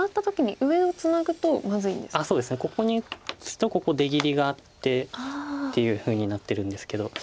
ここに打つとここ出切りがあってっていうふうになってるんですけど。